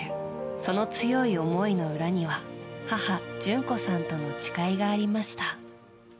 その強い思いの裏には母・淳子さんとの誓いがありました。